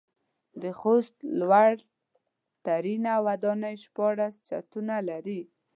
د خوست لوړ ترينه وداني شپاړس چتونه لري.